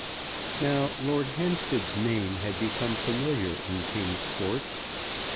Now Lord Hampstead's name had become familiar in King's Court.